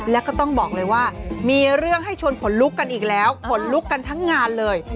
แล้วก็ต้องบอกเลยว่ามีเรื่องให้ชวนขนลุกกันอีกแล้วขนลุกกันทั้งงานเลย